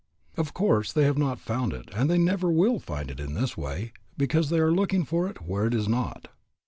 Of course they have not found it and they never will find it in this way, because they are looking for it where it is not.